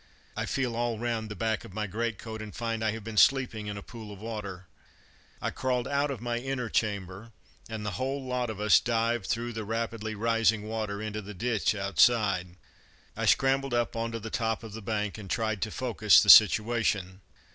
I feel all round the back of my greatcoat and find I have been sleeping in a pool of water. I crawled out of my inner chamber, and the whole lot of us dived through the rapidly rising water into the ditch outside. I scrambled up on to the top of the bank, and tried to focus the situation.